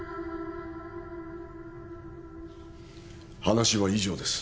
話は以上です。